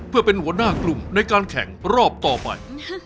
เพื่อเป็นหัวหน้ากลุ่มในการแข่งรอบต่อไป